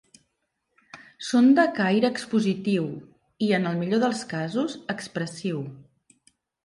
Són de caire expositiu i, en el millor dels casos, expressiu.